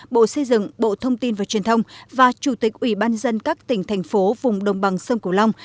bộ xây dựng bộ thông tin và truyền thông và chủ tịch ủy ban dân các tỉnh thành phố vùng đồng bằng sông cổ long